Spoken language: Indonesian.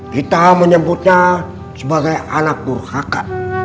kita menyebutnya sebagai anak durhaka